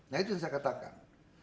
nah itu yang saya katakan